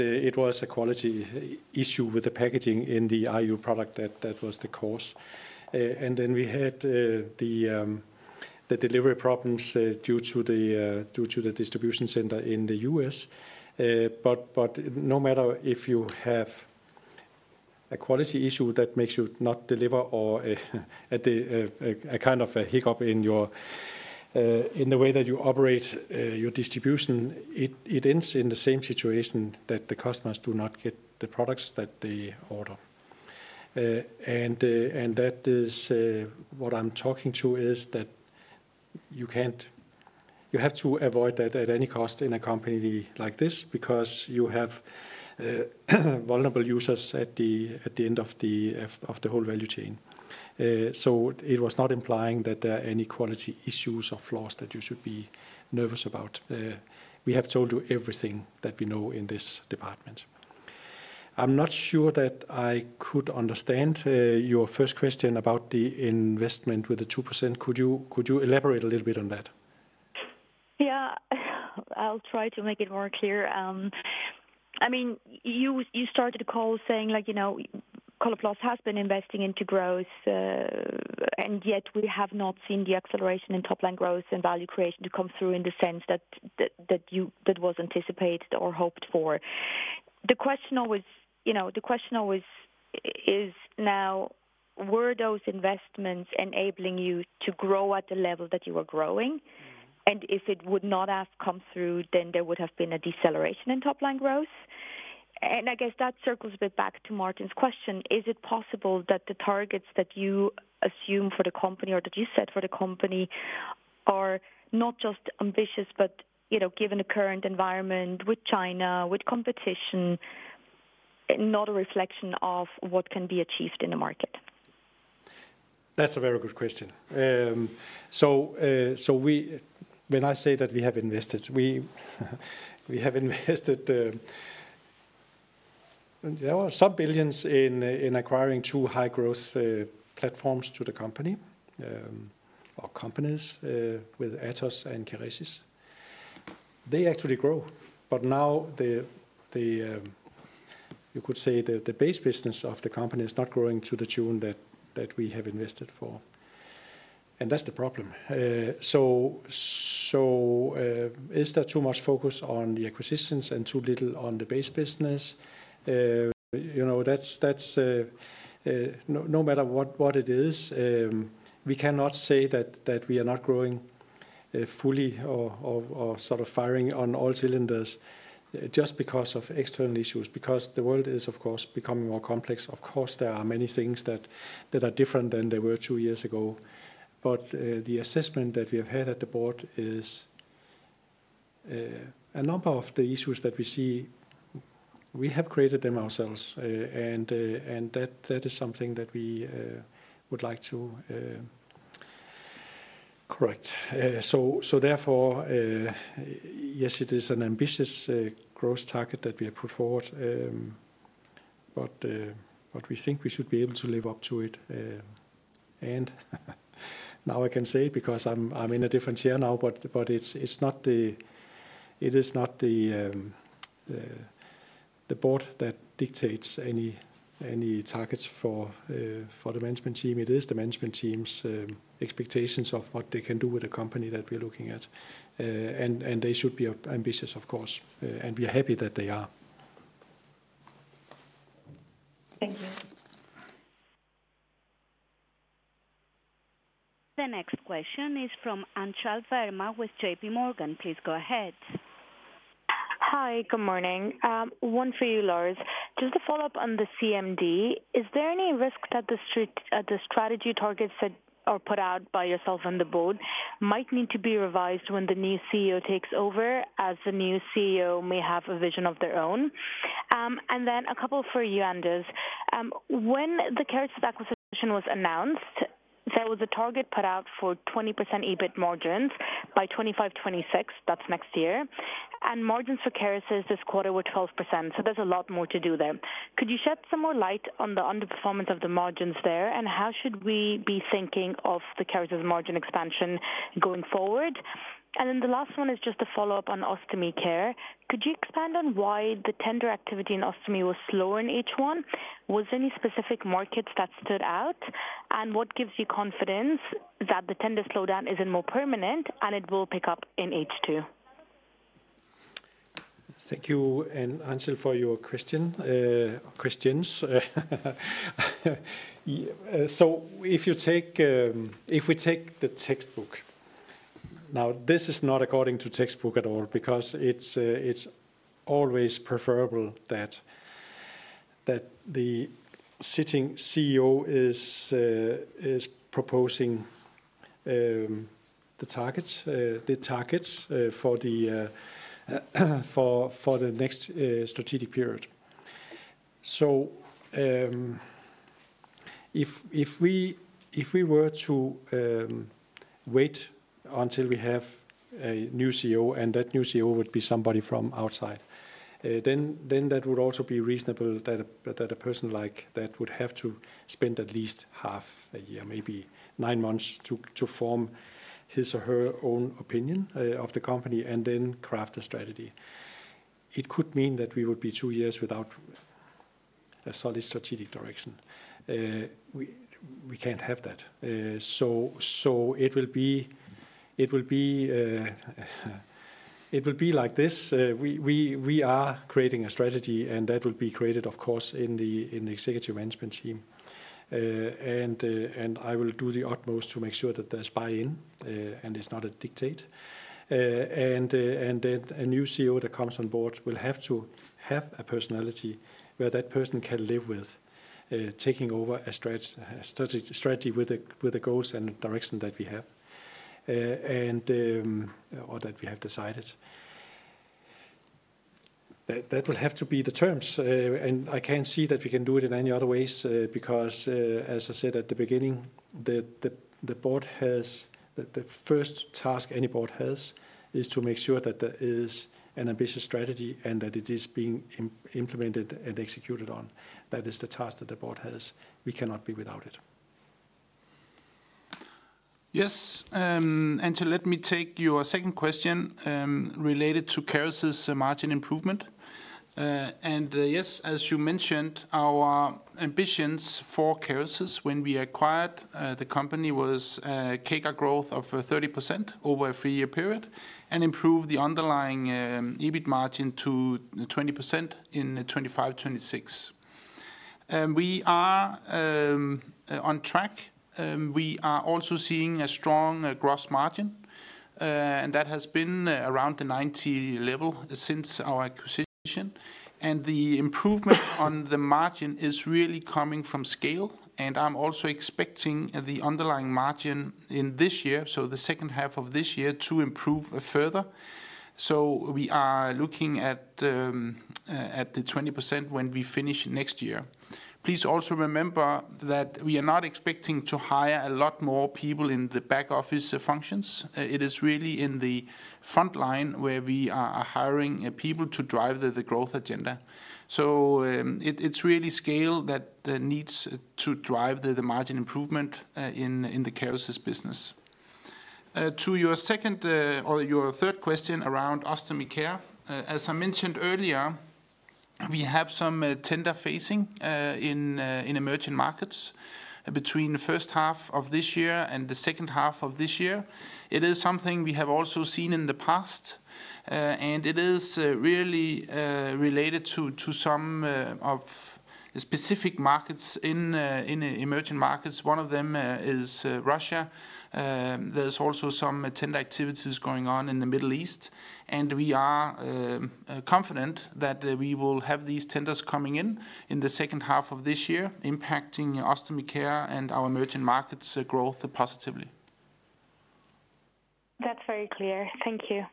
it was a quality issue with the packaging in the IU product that was the cause. We had the delivery problems due to the distribution center in the U.S.. No matter if you have a quality issue that makes you not deliver or a kind of a hiccup in the way that you operate your distribution, it ends in the same situation that the customers do not get the products that they order. That is what I'm talking to is that you have to avoid that at any cost in a company like this because you have vulnerable users at the end of the whole value chain. It was not implying that there are any quality issues or flaws that you should be nervous about. We have told you everything that we know in this department. I'm not sure that I could understand your first question about the investment with the 2%. Could you elaborate a little bit on that? Yeah. I'll try to make it more clear. I mean, you started the call saying Coloplast has been investing into growth, and yet we have not seen the acceleration in top-line growth and value creation to come through in the sense that was anticipated or hoped for. The question always is now, were those investments enabling you to grow at the level that you were growing? If it would not have come through, then there would have been a deceleration in top-line growth. I guess that circles a bit back to Martin's question. Is it possible that the targets that you assume for the company or that you set for the company are not just ambitious, but given the current environment with China, with competition, not a reflection of what can be achieved in the market? That's a very good question. When I say that we have invested, we have invested some billions in acquiring two high-growth platforms to the company or companies with Atos and Kerecis. They actually grow, but now you could say the base business of the company is not growing to the tune that we have invested for. That is the problem. Is there too much focus on the acquisitions and too little on the base business? No matter what it is, we cannot say that we are not growing fully or sort of firing on all cylinders just because of external issues, because the world is, of course, becoming more complex. Of course, there are many things that are different than they were two years ago. The assessment that we have had at the board is a number of the issues that we see, we have created them ourselves, and that is something that we would like to correct. Therefore, yes, it is an ambitious growth target that we have put forward, but we think we should be able to live up to it. Now I can say because I'm in a different chair now, but it is not the board that dictates any targets for the management team. It is the management team's expectations of what they can do with the company that we are looking at. They should be ambitious, of course, and we are happy that they are. Thank you. The next question is from Anchal Verma with JPMorgan. Please go ahead. Hi. Good morning. One for you, Lars. Just to follow up on the CMD, is there any risk that the strategy targets that are put out by yourself and the board might need to be revised when the new CEO takes over, as the new CEO may have a vision of their own? And then a couple for you, Anders. When the Kerecis acquisition was announced, there was a target put out for 20% EBIT margins by 2025-2026. That's next year. And margins for Kerecis this quarter were 12%. So there's a lot more to do there. Could you shed some more light on the underperformance of the margins there, and how should we be thinking of the Kerecis margin expansion going forward? The last one is just a follow-up on Ostomy Care. Could you expand on why the tender activity in Ostomy was slower in H1? Was there any specific markets that stood out, and what gives you confidence that the tender slowdown isn't more permanent and it will pick up in H2? Thank you, Anchal, for your questions. If we take the textbook, now this is not according to textbook at all because it's always preferable that the sitting CEO is proposing the targets for the next strategic period. If we were to wait until we have a new CEO, and that new CEO would be somebody from outside, then that would also be reasonable that a person like that would have to spend at least half a year, maybe nine months, to form his or her own opinion of the company and then craft a strategy. It could mean that we would be two years without a solid strategic direction. We can't have that. It will be like this. We are creating a strategy, and that will be created, of course, in the executive management team. I will do the utmost to make sure that there's buy-in, and it's not a dictate. A new CEO that comes on board will have to have a personality where that person can live with taking over a strategy with the goals and direction that we have or that we have decided. That will have to be the terms. I cannot see that we can do it in any other ways because, as I said at the beginning, the first task any board has is to make sure that there is an ambitious strategy and that it is being implemented and executed on. That is the task that the board has. We cannot be without it. Yes. Let me take your second question related to Kerecis margin improvement. Yes, as you mentioned, our ambitions for Kerecis when we acquired the company was CAGR growth of 30% over a three-year period and improve the underlying EBIT margin to 20% in 2025-2026. We are on track. We are also seeing a strong gross margin, and that has been around the 90% level since our acquisition. The improvement on the margin is really coming from scale. I am also expecting the underlying margin in this year, the second half of this year, to improve further. We are looking at the 20% when we finish next year. Please also remember that we are not expecting to hire a lot more people in the back office functions. It is really in the front line where we are hiring people to drive the growth agenda. It is really scale that needs to drive the margin improvement in the Kerecis business. To your second or your third question around Ostomy Care, as I mentioned earlier, we have some tender facing in emerging markets between the first half of this year and the second half of this year. It is something we have also seen in the past, and it is really related to some of the specific markets in emerging markets. One of them is Russia. There is also some tender activities going on in the Middle East, and we are confident that we will have these tenders coming in in the second half of this year, impacting Ostomy Care and our emerging markets' growth positively. That's very clear. Thank you.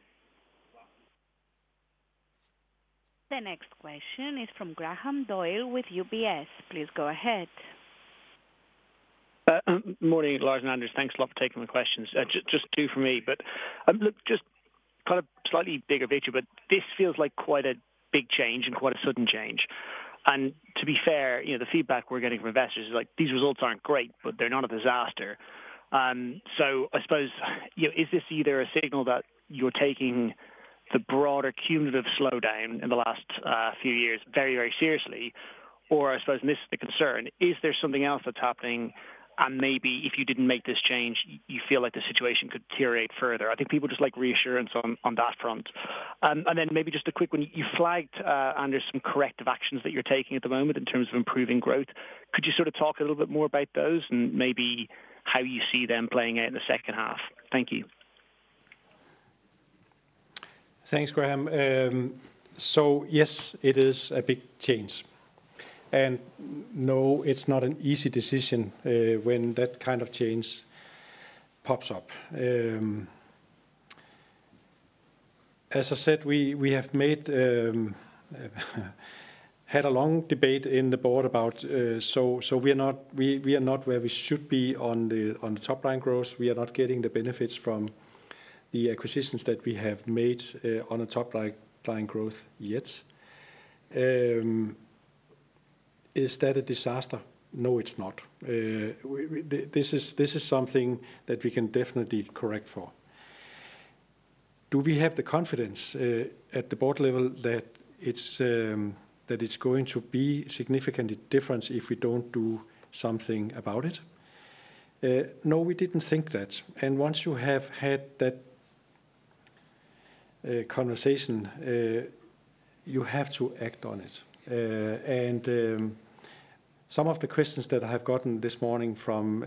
The next question is from Graham Doyle with UBS. Please go ahead. Morning, Lars and Anders. Thanks a lot for taking my questions. Just two for me. Just kind of slightly bigger picture, this feels like quite a big change and quite a sudden change. To be fair, the feedback we're getting from investors is like, "These results aren't great, but they're not a disaster." I suppose, is this either a signal that you're taking the broader cumulative slowdown in the last few years very, very seriously, or I suppose this is the concern? Is there something else that's happening? Maybe if you didn't make this change, you feel like the situation could deteriorate further. I think people just like reassurance on that front. Maybe just a quick one. You flagged, Anders, some corrective actions that you're taking at the moment in terms of improving growth. Could you sort of talk a little bit more about those and maybe how you see them playing out in the second half? Thank you. Thanks, Graham. Yes, it is a big change. No, it's not an easy decision when that kind of change pops up. As I said, we have had a long debate in the board about it, so we are not where we should be on the top-line growth. We are not getting the benefits from the acquisitions that we have made on the top-line growth yet. Is that a disaster? No, it's not. This is something that we can definitely correct for. Do we have the confidence at the board level that it's going to be a significant difference if we do not do something about it? No, we did not think that. Once you have had that conversation, you have to act on it. Some of the questions that I have gotten this morning from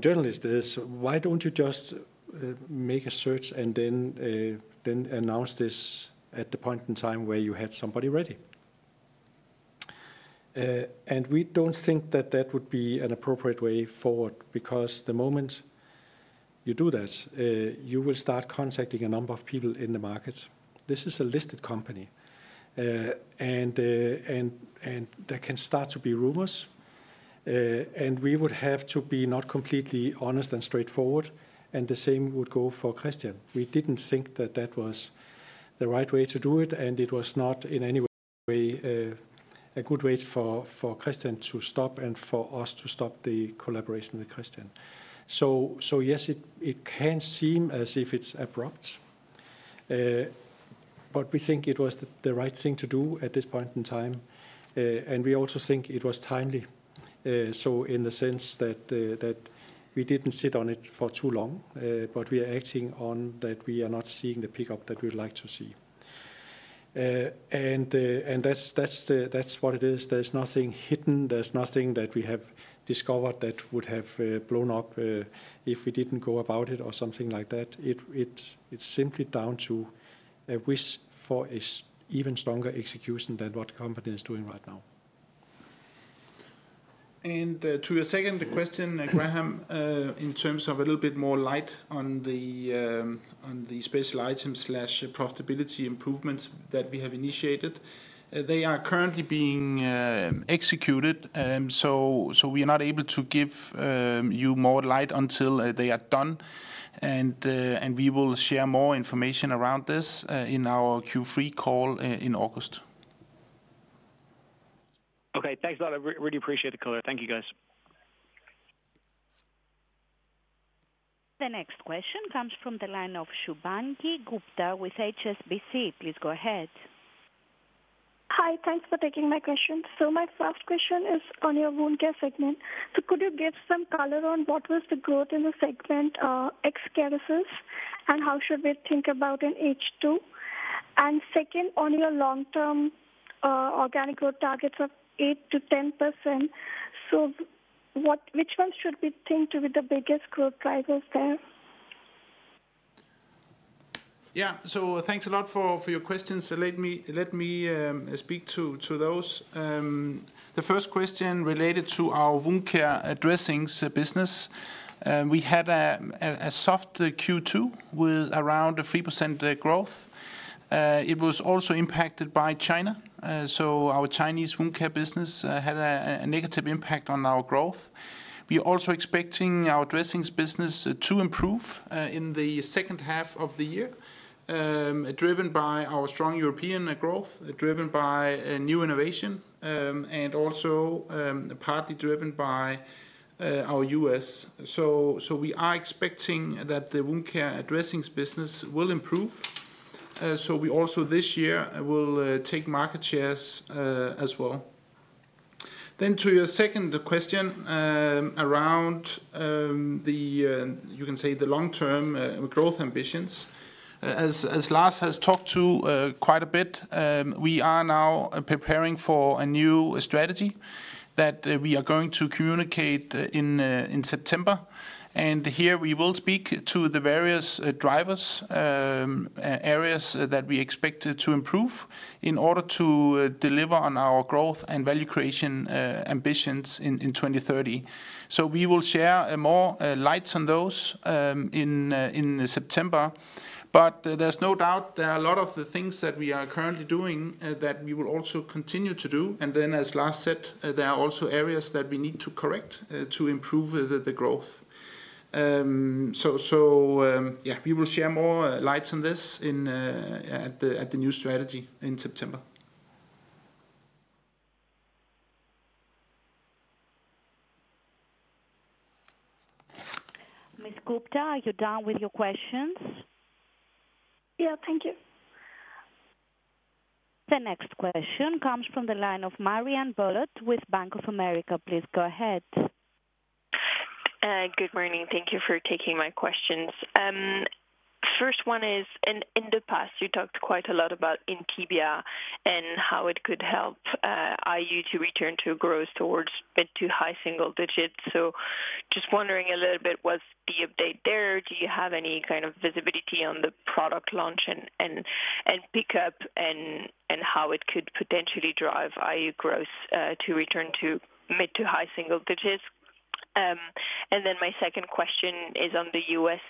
journalists is, "Why don't you just make a search and then announce this at the point in time where you had somebody ready?" We don't think that that would be an appropriate way forward because the moment you do that, you will start contacting a number of people in the market. This is a listed company, and there can start to be rumors. We would have to be not completely honest and straightforward, and the same would go for Kristian. We didn't think that that was the right way to do it, and it was not in any way a good way for Kristian to stop and for us to stop the collaboration with Kristian. Yes, it can seem as if it's abrupt, but we think it was the right thing to do at this point in time. We also think it was timely, in the sense that we didn't sit on it for too long, but we are acting on that we are not seeing the pickup that we'd like to see. That's what it is. There's nothing hidden. There's nothing that we have discovered that would have blown up if we didn't go about it or something like that. It's simply down to a wish for an even stronger execution than what the company is doing right now. To your second question, Graham, in terms of a little bit more light on the special items/profitability improvements that we have initiated, they are currently being executed. We are not able to give you more light until they are done. We will share more information around this in our Q3 call in August. Okay. Thanks a lot. I really appreciate the color. Thank you, guys. The next question comes from the line of Shubhangi Gupta with HSBC. Please go ahead. Hi. Thanks for taking my question. My first question is on your wound care segment. Could you give some color on what was the growth in the segment ex-Kerecis and how should we think about in H2? Second, on your long-term organic growth targets of 8%-10%, which ones should we think to be the biggest growth drivers there? Yeah. Thanks a lot for your questions. Let me speak to those. The first question related to our wound care dressings business. We had a soft Q2 with around 3% growth. It was also impacted by China. Our Chinese wound care business had a negative impact on our growth. We are also expecting our dressings business to improve in the second half of the year, driven by our strong European growth, driven by new innovation, and also partly driven by our U.S.. We are expecting that the wound care dressings business will improve. We also this year will take market shares as well. To your second question around, you can say, the long-term growth ambitions. As Lars has talked to quite a bit, we are now preparing for a new strategy that we are going to communicate in September. Here we will speak to the various drivers, areas that we expect to improve in order to deliver on our growth and value creation ambitions in 2030. We will share more lights on those in September. There is no doubt there are a lot of the things that we are currently doing that we will also continue to do. As Lars said, there are also areas that we need to correct to improve the growth. Yeah, we will share more lights on this at the new strategy in September. Ms. Gupta, are you done with your questions? Yeah. Thank you. The next question comes from the line of Marianne Bulot with Bank of America. Please go ahead. Good morning. Thank you for taking my questions. First one is, in the past, you talked quite a lot about INTIBIA and how it could help IU to return to growth towards mid to high single digits. Just wondering a little bit, what is the update there? Do you have any kind of visibility on the product launch and pickup and how it could potentially drive IU growth to return to mid to high single digits? My second question is on the U.S.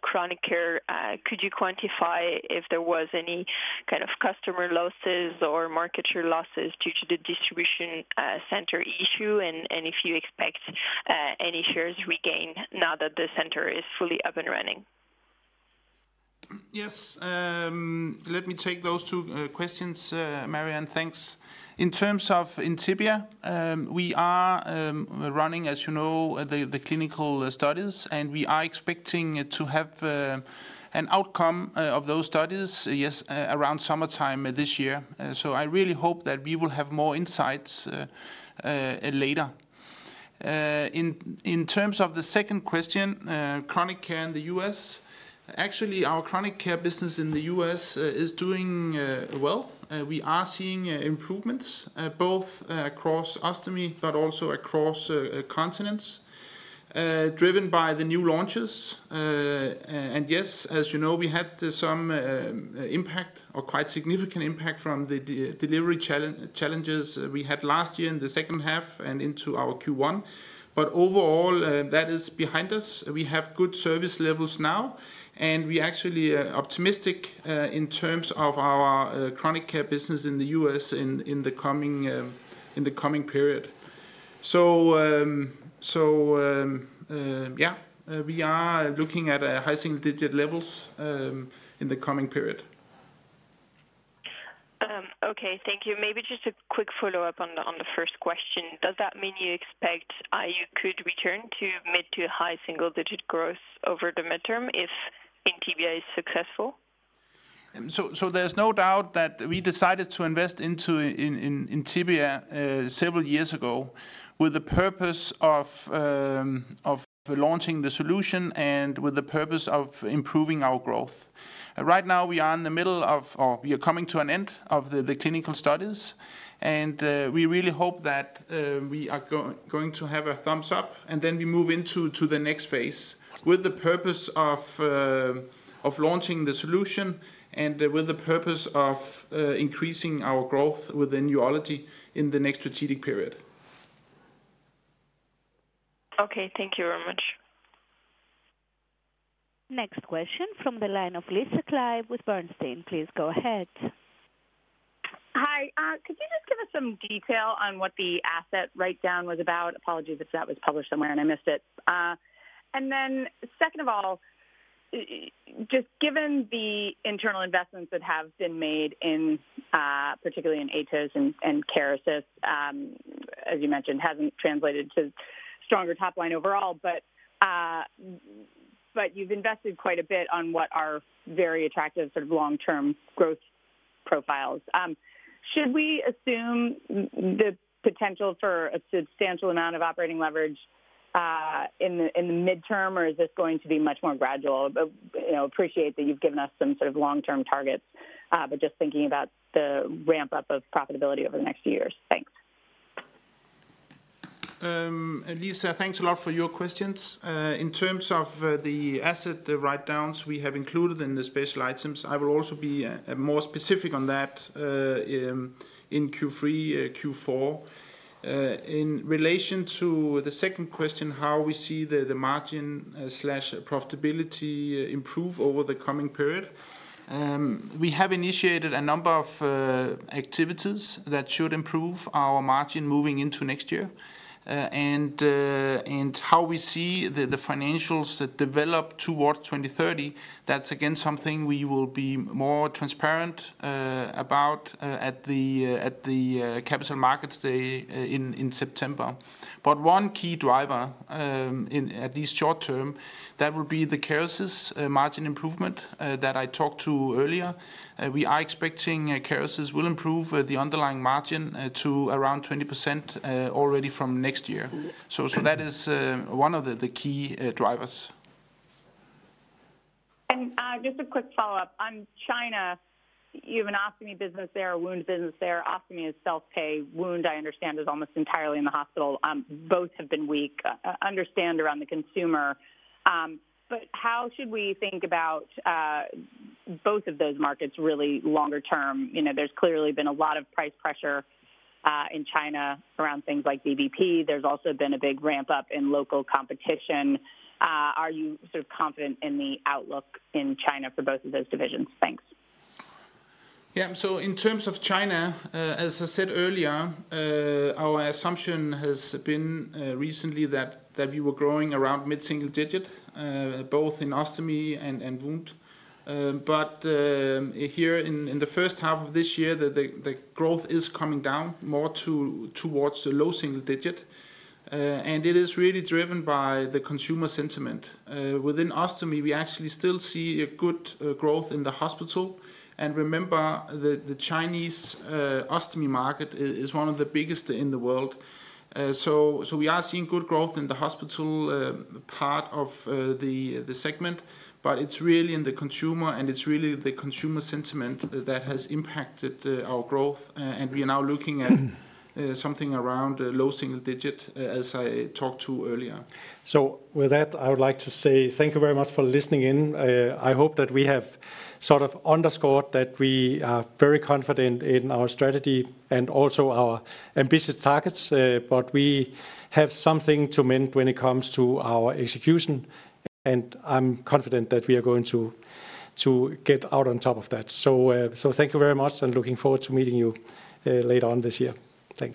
Chronic Care. Could you quantify if there was any kind of customer losses or market share losses due to the distribution center issue? If you expect any shares regain now that the center is fully up and running? Yes. Let me take those two questions, Marianne. Thanks. In terms of INTIBIA, we are running, as you know, the clinical studies, and we are expecting to have an outcome of those studies, yes, around summertime this year. I really hope that we will have more insights later. In terms of the second question, Chronic Care in the U.S., actually, our Chronic Care business in the U.S. is doing well. We are seeing improvements both across Ostomy, but also across Continence, driven by the new launches. Yes, as you know, we had some impact or quite significant impact from the delivery challenges we had last year in the second half and into our Q1. Overall, that is behind us. We have good service levels now, and we are actually optimistic in terms of our Chronic Care business in the U.S. in the coming period. Yeah, we are looking at high single digit levels in the coming period. Okay. Thank you. Maybe just a quick follow-up on the first question. Does that mean you expect IU could return to mid to high single digit growth over the midterm if INTIBIA is successful? There is no doubt that we decided to invest into INTIBIA several years ago with the purpose of launching the solution and with the purpose of improving our growth. Right now, we are in the middle of, or we are coming to an end of the clinical studies. We really hope that we are going to have a thumbs up, and then we move into the next phase with the purpose of launching the solution and with the purpose of increasing our growth within Urology in the next strategic period. Okay. Thank you very much. Next question from the line of Lisa Clive with Bernstein. Please go ahead. Hi. Could you just give us some detail on what the asset write-down was about? Apologies if that was published somewhere and I missed it. Second of all, just given the internal investments that have been made, particularly in Atos and Kerecis, as you mentioned, it has not translated to stronger top line overall, but you have invested quite a bit on what are very attractive sort of long-term growth profiles. Should we assume the potential for a substantial amount of operating leverage in the midterm, or is this going to be much more gradual? Appreciate that you have given us some sort of long-term targets, but just thinking about the ramp-up of profitability over the next few years. Thanks. Lisa, thanks a lot for your questions. In terms of the asset write-downs we have included in the special items, I will also be more specific on that in Q3, Q4. In relation to the second question, how we see the margin/profitability improve over the coming period, we have initiated a number of activities that should improve our margin moving into next year. How we see the financials that develop towards 2030, that's again something we will be more transparent about at the Capital Markets Day in September. One key driver, at least short term, will be the Kerecis margin improvement that I talked to earlier. We are expecting Kerecis will improve the underlying margin to around 20% already from next year. That is one of the key drivers. Just a quick follow-up on China. You have an Ostomy business there, a wound business there. Ostomy is self-pay. Wound, I understand, is almost entirely in the hospital. Both have been weak. Understand around the consumer. How should we think about both of those markets really longer term? There's clearly been a lot of price pressure in China around things like VBP. There's also been a big ramp-up in local competition. Are you sort of confident in the outlook in China for both of those divisions? Thanks. Yeah. In terms of China, as I said earlier, our assumption has been recently that we were growing around mid single digit, both in Ostomy and Wound. Here in the first half of this year, the growth is coming down more towards the low single digit. It is really driven by the consumer sentiment. Within Ostomy, we actually still see good growth in the hospital. Remember, the Chinese Ostomy market is one of the biggest in the world. We are seeing good growth in the hospital part of the segment, but it's really in the consumer, and it's really the consumer sentiment that has impacted our growth. We are now looking at something around low single digit, as I talked to earlier. With that, I would like to say thank you very much for listening in. I hope that we have sort of underscored that we are very confident in our strategy and also our ambitious targets, but we have something to mend when it comes to our execution. I am confident that we are going to get out on top of that. Thank you very much, and looking forward to meeting you later on this year. Thanks.